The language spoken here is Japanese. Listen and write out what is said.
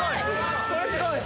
これすごい！